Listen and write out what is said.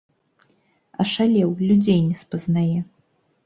Ашалеў, людзей не спазнае.